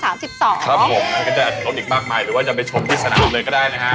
ผมก็จะลดอีกมากมายหรือว่าจะไปชมที่สนามเลยก็ได้นะฮะ